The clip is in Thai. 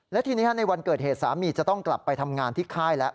และทีนี้ในวันเกิดเหตุสามีจะต้องกลับไปทำงานที่ค่ายแล้ว